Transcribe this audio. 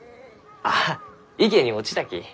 ああ池に落ちたき。